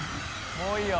もういいよ。